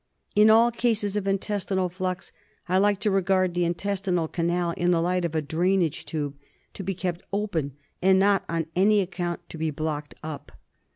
In all cases of intestinal flux I like to regard the intestinal canal in the light of a drainage tube, to be kept open and not on any account to be blocked up.